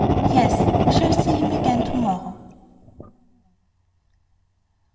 "Yes; we shall see him again to morrow."